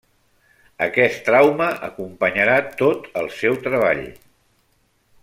Aquest trauma acompanyarà tot el seu treball.